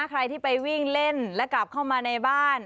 ใครที่ไปวิ่งเล่นและกลับเข้ามาในบ้าน